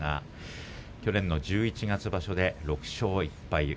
去年の十一月場所で６勝１敗